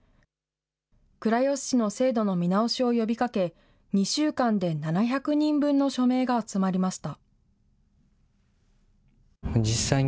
倉吉市の制度の見直しを呼びかけ、２週間で７００人分の署名が集まりました。